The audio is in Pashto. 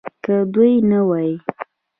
که دوی نه وي